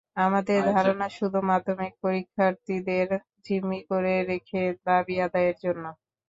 আমাদের ধারণা, শুধু মাধ্যমিক পরীক্ষার্থীদের জিম্মি করে রেখে দাবি আদায়ের জন্য।